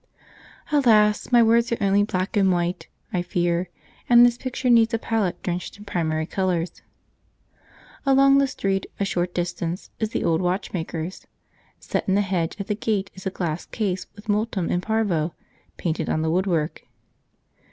Alas! my words are only black and white, I fear, and this picture needs a palette drenched in primary colours. Along the street, a short distance, is the old watchmaker's. Set in the hedge at the gate is a glass case with Multum in Parvo painted on the woodwork.